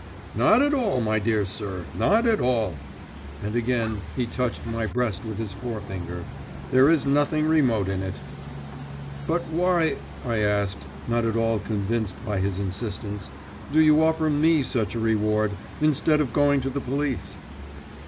"Not at all, my dear sir, not at all," and again he touched my breast with his forefinger; "there is nothing remote in it." "But why," I asked, not at all convinced by his insistence, "do you offer me such a reward, instead of going to the police?"